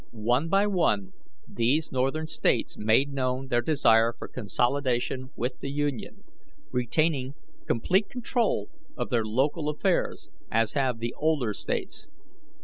One by one these Northern States made known their desire for consolidation with the Union, retaining complete control of their local affairs, as have the older States.